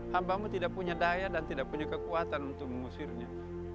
hambamu tidak punya daya dan tidak punya kekuatan untuk mengusirnya